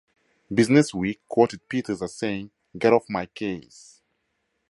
"BusinessWeek" quoted Peters as saying "Get off my case.